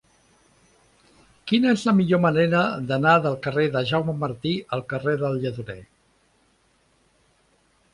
Quina és la millor manera d'anar del carrer de Jaume Martí al carrer del Lledoner?